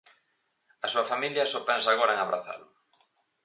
A súa familia só pensa agora en abrazalo.